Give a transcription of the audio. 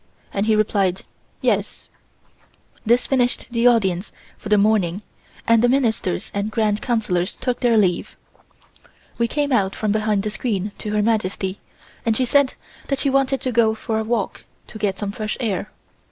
and he replied, "Yes." This finished the Audience for the morning and the Ministers and Grand Councillors took their leave. We came out from behind the screen to Her Majesty and she said that she wanted to go for a walk to get some fresh air.